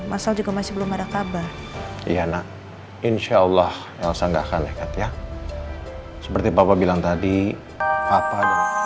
masal juga masih belum ada kabar iya nak insyaallah yang sanggahkan ya seperti papa bilang tadi apa